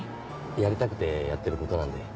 やりたくてやってることなんで。